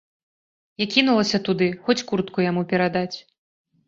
Я кінулася туды, хоць куртку яму перадаць.